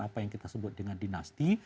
apa yang kita sebut dengan dinasti